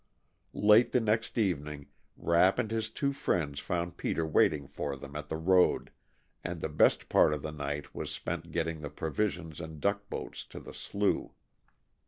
Late the next evening Rapp and his two friends found Peter waiting for them at the road, and the best part of the night was spent getting the provisions and duck boats to the slough.